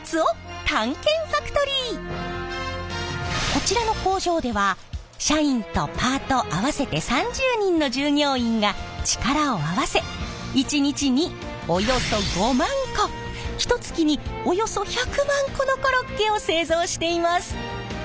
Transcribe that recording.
こちらの工場では社員とパート合わせて３０人の従業員が力を合わせ一日におよそ５万個ひとつきにおよそ１００万個のコロッケを製造しています。